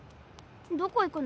どこ行くの？